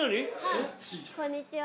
こんにちは。